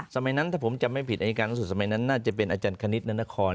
สมัยนั้นถ้าผมจำไม่ผิดอายการรู้สึกสมัยนั้นน่าจะเป็นอาจารย์คณิตนั้นนคร